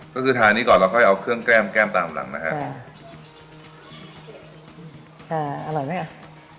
ก็คือทานนี้ก่อนเราค่อยเอาเครื่องแก้มแก้มตามหลังนะฮะค่ะอ่าอร่อยไหมอ่ะ